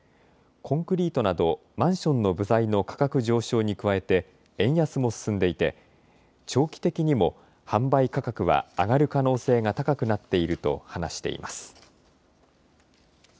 コンクリートなどマンションの部材の価格上昇に加えて円安も進んでいて長期的にも販売価格は上がる可能性が高くなっていると話しています。